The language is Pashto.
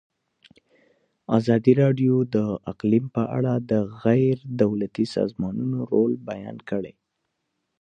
ازادي راډیو د اقلیم په اړه د غیر دولتي سازمانونو رول بیان کړی.